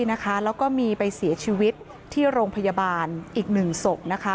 แล้วก็มีไปเสียชีวิตที่โรงพยาบาลอีก๑ศพ